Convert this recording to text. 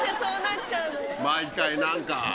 毎回何か。